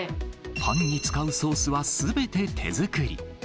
パンに使うソースはすべて手作り。